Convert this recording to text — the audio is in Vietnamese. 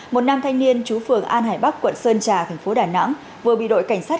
một nam thanh niên chú phường an hải bắc quận sơn trà thành phố đà nẵng vừa bị đội cảnh sát